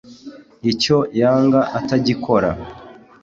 icyo yanga atagikora